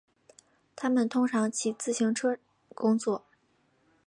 他们通常骑自行车工作。